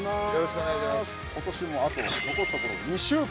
◆ことしもあと、残すところ２週間。